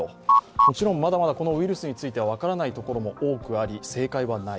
もちろんまだまだこのウイルスについては分からないことも多くあり、正解はない。